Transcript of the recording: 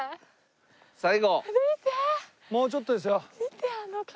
もうちょっとですよ。